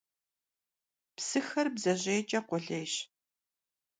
Psıxer bdzejêyç'e khulêyş.